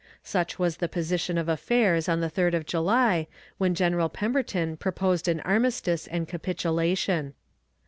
Such was the position of affairs on the third of July, when General Pemberton proposed an armistice and capitulation.